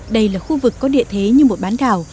đây là khu vực có địa thế như một bán đảo